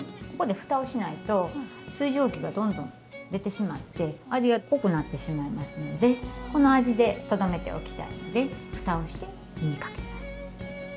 ここでふたをしないと水蒸気がどんどん出てしまって味が濃くなってしまいますのでこの味でとどめておきたいのでふたをして火にかけます。